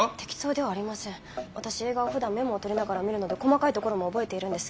私映画はふだんメモを取りながら見るので細かいところも覚えているんです。